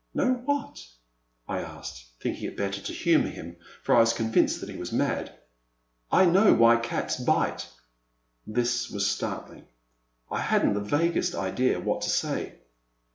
*'Know what ?*' I asked, thinking it better to humour him, for I was convinced that he was mad. I know why cats bite.'* This was startling. I had n't the vaguest idea what to say.